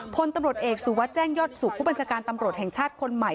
พลตำรวจเอกสุวัสดิ์แจ้งยอดสุขผู้บัญชาการตำรวจแห่งชาติคนใหม่